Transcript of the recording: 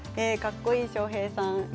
かっこいい翔平さん。